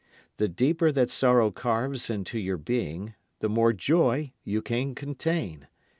The deeper that sorrow carves into your being, the more joy you can contain.